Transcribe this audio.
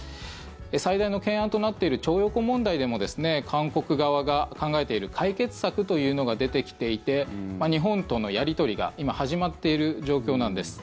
最大の懸案となっている徴用工問題でも韓国側が考えている解決策というのが出てきていて日本とのやり取りが今、始まっている状況なんです。